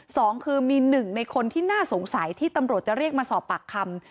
สองคือมีหนึ่งในคนที่น่าสงสัยที่ตำรวจจะเรียกมาสอบปากคำ